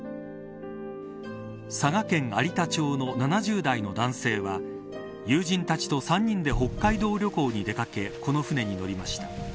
佐賀県有田町の７０代の男性は友人たちと３人で北海道旅行に出掛けこの船に乗りました。